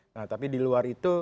nah tapi di luar itu